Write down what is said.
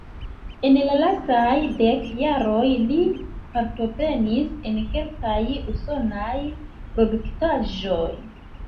En la lastaj dek jaroj li partoprenis en kelkaj usonaj produktaĵoj.